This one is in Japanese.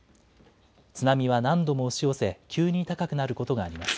津波は何度も押し寄せ、急に高くなることがあります。